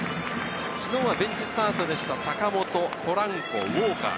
昨日はベンチスタートでした、坂本、ポランコ、ウォーカー。